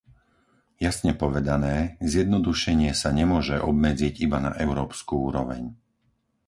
Jasne povedané, zjednodušenie sa nemôže obmedziť iba na európsku úroveň.